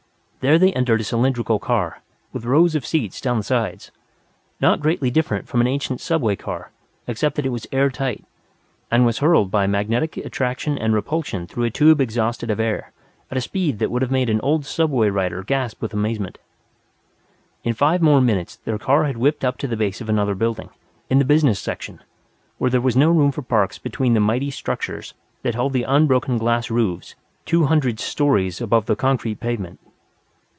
There they entered a cylindrical car, with rows of seats down the sides. Not greatly different from an ancient subway car, except that it was air tight, and was hurled by magnetic attraction and repulsion through a tube exhausted of air, at a speed that would have made an old subway rider gasp with amazement. In five more minutes their car had whipped up to the base of another building, in the business section, where there was no room for parks between the mighty structures that held the unbroken glass roofs two hundred stories above the concrete pavement.